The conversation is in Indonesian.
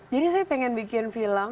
jadi saya pengen bikin film